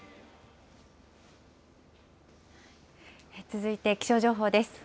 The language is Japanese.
続いて気象情報です。